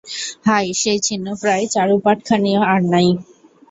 হায়, সেই ছিন্নপ্রায় চারুপাঠখানিও আর নাই।